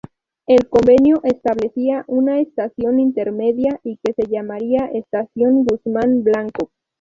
El convenio establecía una estación intermedia y que se llamaría Estación Guzmán Blanco.